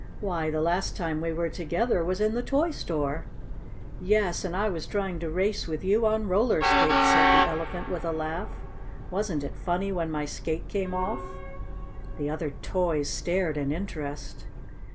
Why, the last time we were together was in the toy store!" "Yes, and I was trying to race with you on roller skates," said the Elephant, with a laugh. "Wasn't it funny when my skate came off?" The other toys stared in interest.